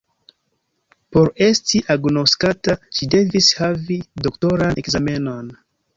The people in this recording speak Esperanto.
Por esti agnoskata, ŝi devis havi doktoran ekzamenon.